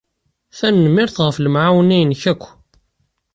Tanemmirt ɣef lemɛawna-inek akk.